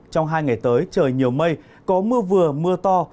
trong hai ngày tới trời nhiều mây có mưa vừa mưa to